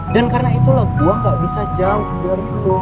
dan karena itulah gua nggak bisa jauh dari lu